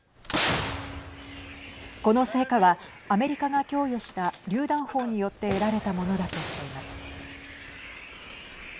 この成果はアメリカが供与したりゅう弾砲によって得られたものだとしています。